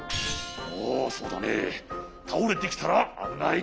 おおそうだねたおれてきたらあぶない。